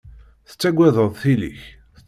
Tettaggadeḍ tili-k.